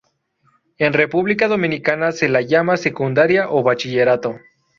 En República Dominicana se la llama secundaria o bachillerato.